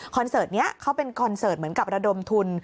เสิร์ตนี้เขาเป็นคอนเสิร์ตเหมือนกับระดมทุน